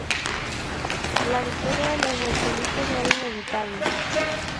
La victoria de los bolcheviques era inevitable.